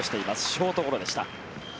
ショートゴロでした。